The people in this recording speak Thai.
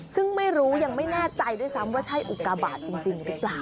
ซึ่งไม่รู้ยังไม่แน่ใจด้วยซ้ำว่าใช่อุกาบาทจริงหรือเปล่า